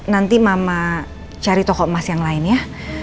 nanti mama cari toko emas yang lain ya